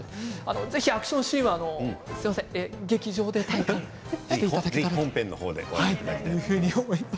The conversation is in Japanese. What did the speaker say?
ぜひアクションシーンはすみません劇場で体験していただければと。